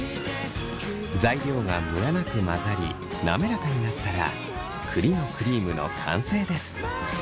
材料がムラなく混ざり滑らかになったら栗のクリームの完成です。